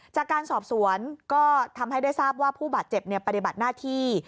จากการสอบสวนก็ทำให้ได้ทราบว่าผู้บาดเจ็บปฏิบัติหน้าที่